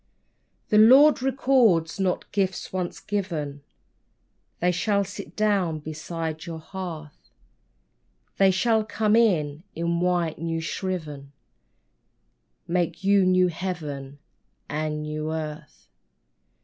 The Lord recalls not gifts once given : They shall sit down beside your hearth ; They shall come in, in white, new shriven, Make you new Heaven and a new earth.